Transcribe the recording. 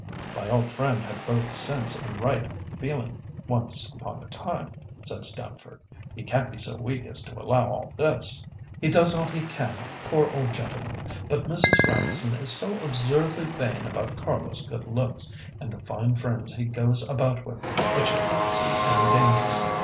"My old friend had both sense and right feeling once upon a time," said Stamford. "He can't be so weak as to allow all this." "He does all he can, poor old gentleman; but Mrs. Grandison is so absurdly vain about Carlo's good looks, and the fine friends he goes about with, that she can't see any danger.